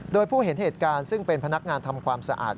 โดยผู้เห็นเหตุการณ์ซึ่งเป็นพนักงานทำความสะอาด